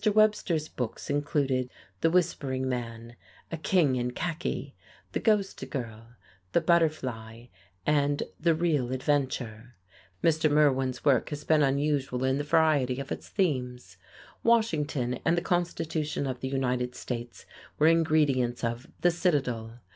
Webster's books include "The Whispering Man," "A King in Khaki," "The Ghost Girl," "The Butterfly" and "The Real Adventure." Mr. Merwin's work has been unusual in the variety of its themes. Washington and the Constitution of the United States were ingredients of "The Citadel."